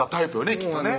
きっとね